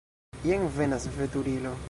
Jen venas veturilo.